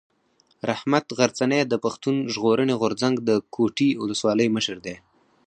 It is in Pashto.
رحمت غرڅنی د پښتون ژغورني غورځنګ د کوټي اولسوالۍ مشر دی.